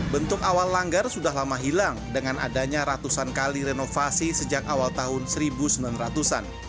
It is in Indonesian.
bentuk awal langgar sudah lama hilang dengan adanya ratusan kali renovasi sejak awal tahun seribu sembilan ratus an